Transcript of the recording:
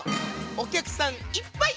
お客さんいっぱい。